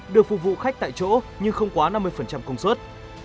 được phục vụ khách tại chỗ nhưng không quá năm mươi công suất